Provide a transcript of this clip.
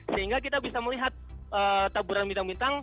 sehingga kita bisa melihat taburan bintang bintang